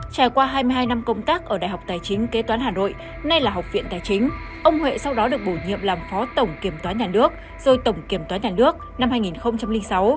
trải qua hai mươi hai năm công tác ở đại học tài chính kế toán hà nội nay là học viện tài chính ông huệ sau đó được bổ nhiệm làm phó tổng kiểm toán nhà nước rồi tổng kiểm toán nhà nước năm hai nghìn sáu